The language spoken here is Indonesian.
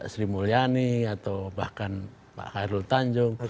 sri mulyani atau bahkan pak hairul tanjung